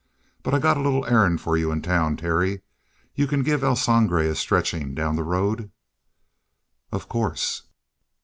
But I got a little errand for you in town, Terry. You can give El Sangre a stretching down the road?" "Of course."